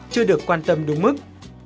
chưa được quan tâm đúng mức